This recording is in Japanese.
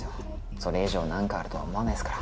それ以上何かあるとは思わないっすから。